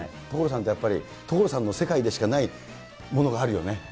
所さんって、やっぱり、所さんの世界でしかないものがあるよね。